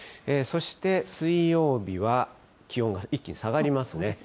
そして水曜日は、気温が一気に下がりますね。